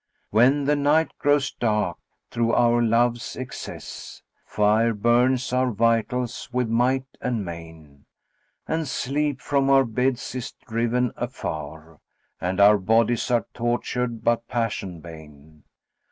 When the night grows dark, through our love's excess * Fire burns our vitals with might and main: And sleep from our beds is driven afar, * And our bodies are tortured by passion bane.